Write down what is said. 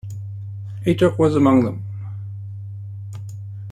Atok was among them.